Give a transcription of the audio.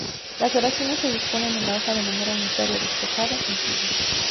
Las oraciones se disponen en la hoja de manera unitaria, despojada, sencilla.